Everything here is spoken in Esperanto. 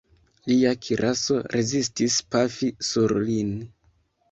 Lia kiraso rezistis pafi sur lin.